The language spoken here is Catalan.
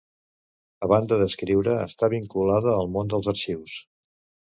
A banda d'escriure, està vinculada al món dels arxius.